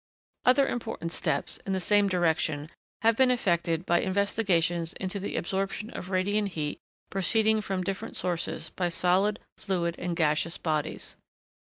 Other important steps, in the same direction, have been effected by investigations into the absorption of radiant heat proceeding from different sources by solid, fluid, and gaseous bodies.